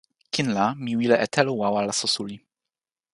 kin la mi wile e telo wawa laso suli.